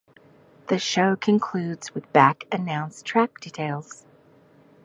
The show concludes with back-announced track details.